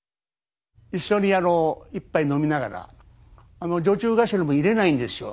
一緒にあの一杯飲みながら女中頭も入れないんですよ